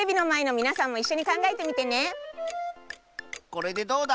これでどうだ